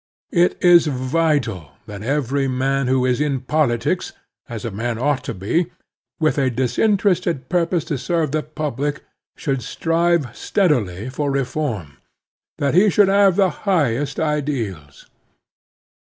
It is vital that every man who is in ss The Strenuous Life politics, as a man ought to be, with a disin terested piirpose to serve the public, should strive steadily for reform; that he shotild have the highest ideals.